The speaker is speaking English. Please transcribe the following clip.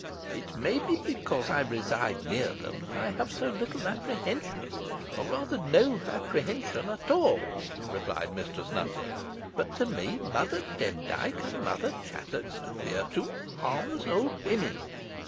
"It may be because I reside near them that I have so little apprehension, or rather no apprehension at all," replied Mistress Nutter; "but to me Mother Demdike and Mother Chattox appear two harmless old women."